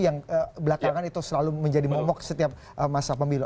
yang belakangan itu selalu menjadi momok setiap masa pemilu